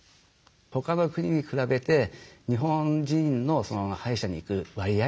他の国に比べて日本人の歯医者に行く割合